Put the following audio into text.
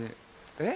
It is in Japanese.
えっ？